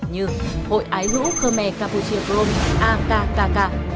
như hội ái rũ khơ me campuchia chrome